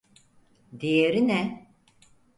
Diğeri ne?